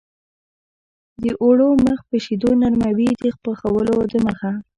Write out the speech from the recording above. د اوړو مخ په شیدو نرموي د پخولو دمخه.